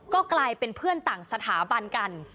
ก็กลายเป็นเพื่อนต่างสถาบันกัน